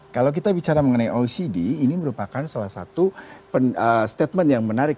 kalau kita bicara mengenai ocd ini merupakan salah satu statement yang menarik